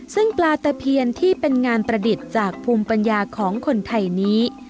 ซึ่งปลาตะเพียนที่เป็นงานประดิษฐ์จากภูมิปัญญาของคนไทยนี้